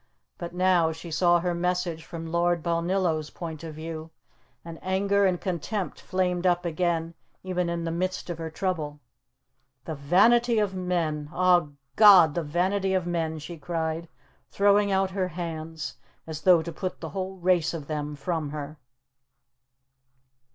But now she saw her message from Lord Balnillo's point of view, and anger and contempt flamed up again, even in the midst of her trouble. "The vanity of men! Ah, God, the vanity of men!" she cried, throwing out her hands, as though to put the whole race of them from her.